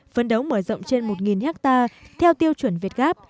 phấn đấu mở rộng trên một hectare theo tiêu chuẩn việt gáp